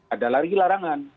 ada lagi larangan